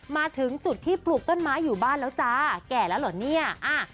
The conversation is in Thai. มาถึงจุดที่ปลูกต้นไม้อยู่บ้านแล้วจ้าแก่แล้วเหรอเนี่ยอ่า